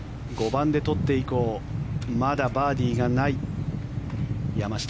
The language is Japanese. ５番で取って以降まだバーディーがない山下。